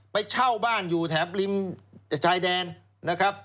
ไปเช่าบ้านอยู่แถบริมชายแดนนะครับ